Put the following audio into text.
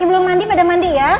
yang belum mandi pada mandi ya